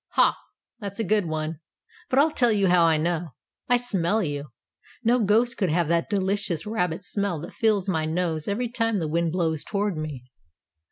Ha! That's a good one! But I'll tell you how I know. I smell you. No ghost could have that delicious rabbit smell that fills my nose every time the wind blows toward me."